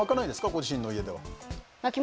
ご自身の家で。